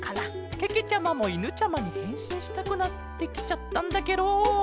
けけちゃまもいぬちゃまにへんしんしたくなってきちゃったんだケロ。